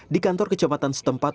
di kantor kecepatan setempat